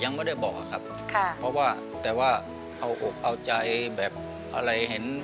ยังไม่ได้บอกครับค่ะเพราะว่าแต่ว่าเอาอกเอาใจแบบอะไรเห็น